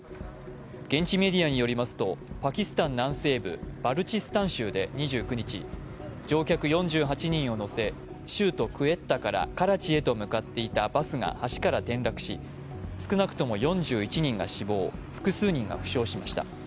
現地メディアによりますとパキスタン南西部バルチスタン州で２９日、乗客４８人を乗せ州都クエッタからカラチへと向かっていたバスが橋から転落し、少なくとも４１人が死亡、複数人が負傷しました。